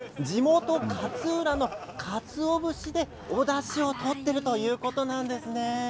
こだわりは地元勝浦のかつお節でおだしを取っているということなんですね。